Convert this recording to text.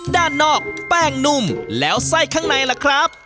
ด้านนอกแป้งนุ่มแล้วไส้ข้างในล่ะครับ